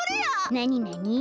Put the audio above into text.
なになに？